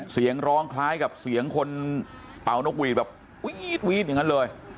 เสียงร้องคล้ายกับเสียงคนเป่านกหวีดแบบวีดอย่างนั้นเลย